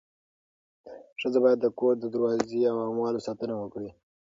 ښځه باید د کور د دروازې او اموالو ساتنه وکړي.